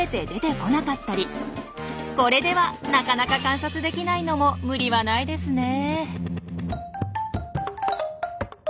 これではなかなか観察できないのも無理はないですね。